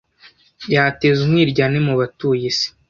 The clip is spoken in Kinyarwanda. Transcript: yateza umwiryane mu batuye isi